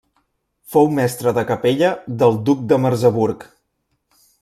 Fou mestre de capella del duc de Merseburg.